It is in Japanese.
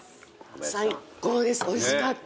最高ですおいしかった。